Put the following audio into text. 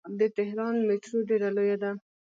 د تهران میټرو ډیره لویه ده.